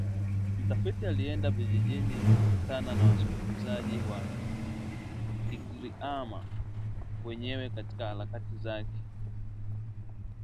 Mtafiti alienda vijijini kukutana na wazungumzaji wa Kigiriama wenyewe katika harakati zake